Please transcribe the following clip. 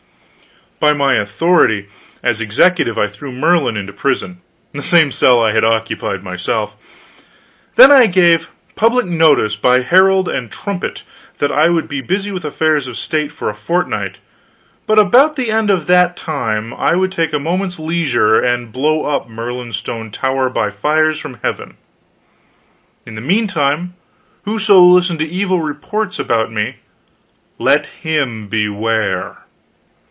By my authority as executive I threw Merlin into prison the same cell I had occupied myself. Then I gave public notice by herald and trumpet that I should be busy with affairs of state for a fortnight, but about the end of that time I would take a moment's leisure and blow up Merlin's stone tower by fires from heaven; in the meantime, whoso listened to evil reports about me, let him beware.